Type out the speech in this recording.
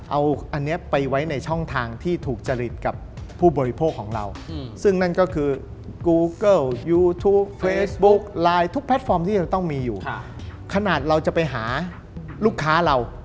เอาอันนี้ไปไว้ในช่องทางที่ถูกจริงกับผู้บริโภคของเรา